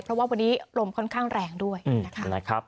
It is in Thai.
เพราะว่าวันนี้ลมค่อนข้างแรงด้วยนะครับ